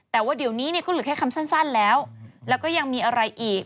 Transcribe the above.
แต่ว่าเดี๋ยวนี้เนี่ยก็เหลือแค่คำสั้นแล้วแล้วก็ยังมีอะไรอีก